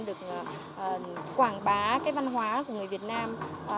được quảng bá cái văn hóa của người việt nam